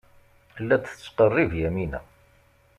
La d-tettqerrib Yamina.